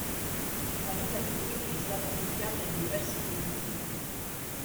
Marisa Merlini è stata doppiata in diversi film.